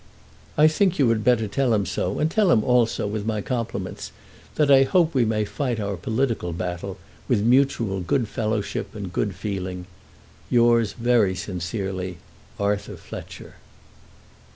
I think you had better tell him so, and tell him also, with my compliments, that I hope we may fight our political battle with mutual good fellowship and good feeling. Yours very sincerely, ARTHUR FLETCHER.